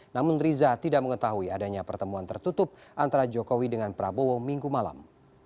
namun riza tidak mengetahui adanya pertemuan tertutup antara jokowi dengan prabowo minggu malam